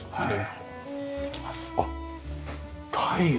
はい。